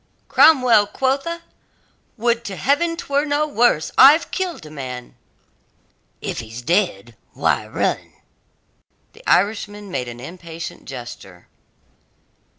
"Cromwell, quotha? Would to Heaven 'twere no worse! I've killed a man!" "If he's dead, why run?" The Irishman made an impatient gesture.